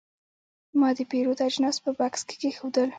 ما د پیرود اجناس په بکس کې کېښودل.